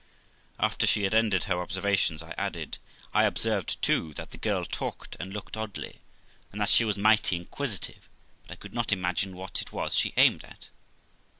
After she had ended her observations, I added: 'I observed, too, that the girl talked and looked oddly, and that she was mighty inquisitive, but I could not imagine what it was she aimed at.'